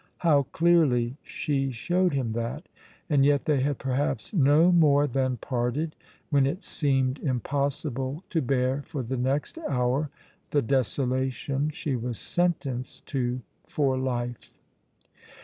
How clearly she showed him that, and yet they had perhaps no more than parted when it seemed impossible to bear for the next hour the desolation she was sentenced to for life.